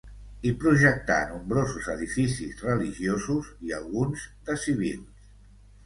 Hi projectà nombrosos edificis religiosos i alguns de civils.